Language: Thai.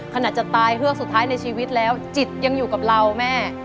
ขนาดจะตายเฮือกสุดท้ายในชีวิตแล้วจิตยังอยู่กับเราแม่